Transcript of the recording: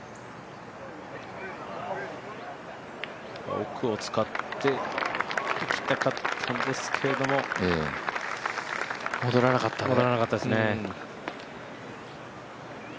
奥を使っていきたかったんですけれども、戻らなかったですね。